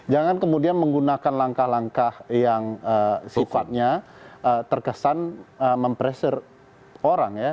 jangan kemudian menggunakan langkah langkah yang sifatnya terkesan mempressure orang ya